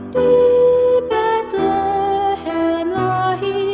di bethlehem lahir raja